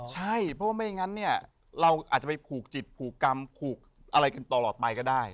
ใช่เพราะว่าไม่งั้นเนี่ยเราอาจจะไปผูกจิตผูกกรรมผูกอะไรกันตลอดไปก็ได้